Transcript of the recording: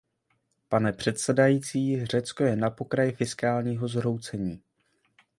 Pane předsedající, Řecko je na pokraji fiskálního zhroucení.